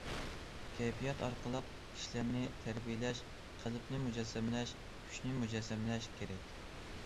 كەيپىيات ئارقىلىق كىشىلەرنى تەربىيەلەش، قەلبنى مۇجەسسەملەش، كۈچنى مۇجەسسەملەش كېرەك.